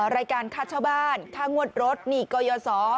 รายการคาดเช้าบ้านค่างวดรถหนีกยอสอ